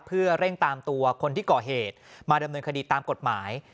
เพื่อเร่งตามตัวคนที่ก่อเหตุมาดำเนินคดีตามกฎหมาย